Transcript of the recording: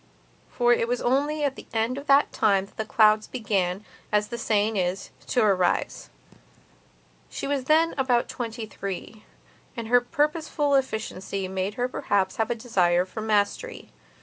For it was only at the end of that time that clouds began, as the saying is, to arise. She was then about twenty three, and her purposeful efficiency made her perhaps have a desire for mastery.